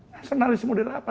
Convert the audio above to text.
nasionalisme muda apa